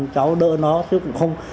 cháu đỡ nó thì cũng không